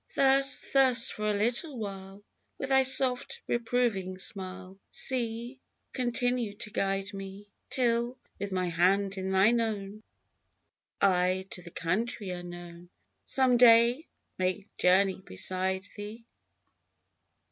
Thus, thus, for a little while, With thy soft reproving smile, C ....! continue to guide me. Till, with my hand in thine own, I, to the country unknown Some day may journey beside thee